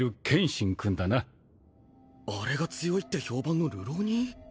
あれが強いって評判の流浪人？